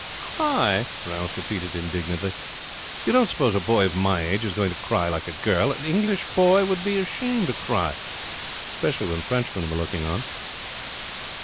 "Cry!" Ralph repeated indignantly. "You don't suppose a boy of my age is going to cry like a girl! An English boy would be ashamed to cry, especially when Frenchmen were looking on."